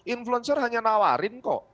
influencer hanya nawarin kok